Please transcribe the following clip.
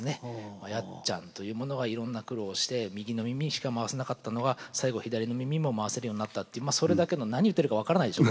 やっちゃんというものがいろんな苦労をして右の耳しか回せなかったのが最後左の耳も回せるようになったっていうまあそれだけの何言ってるか分からないでしょ？